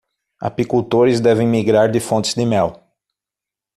Apicultores devem migrar de fontes de mel